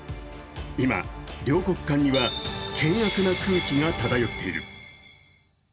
今、両国間には険悪な空気が漂っている。